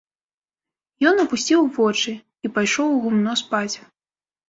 Ён апусціў вочы і пайшоў у гумно спаць.